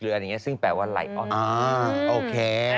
ซึ่งแปลว่าไหลออน